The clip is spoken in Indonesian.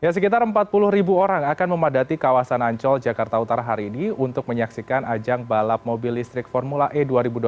sekitar empat puluh ribu orang akan memadati kawasan ancol jakarta utara hari ini untuk menyaksikan ajang balap mobil listrik formula e dua ribu dua puluh tiga